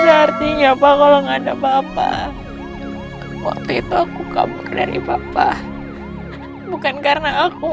artinya pak kalau nggak ada bapak waktu itu aku kabur dari bapak bukan karena aku